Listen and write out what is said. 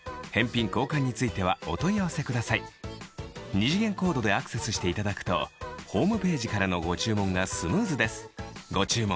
２次元コードでアクセスしていただくとホームページからのご注文がスムーズですご注文